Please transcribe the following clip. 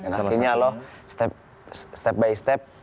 dan akhirnya loh step by step